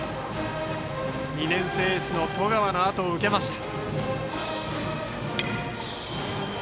２年生エースの十川のあとを受けました。